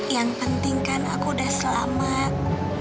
yang penting kan aku udah selamat